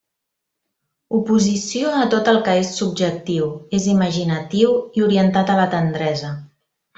Oposició a tot el que és subjectiu, és imaginatiu i orientat a la tendresa.